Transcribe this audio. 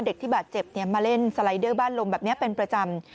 เด็กที่บาดเจ็บมาเล่นสไลเดอร์บ้านลมแบบนี้เป็นประจำ